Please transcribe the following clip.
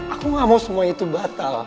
aku gak mau semua itu batal